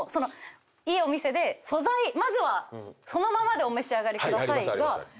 いいお店で「まずはそのままでお召し上がりください」が。